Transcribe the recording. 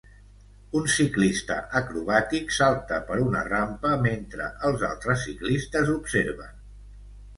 Un ciclista acrobàtic salta per una rampa mentre els altres ciclistes observen.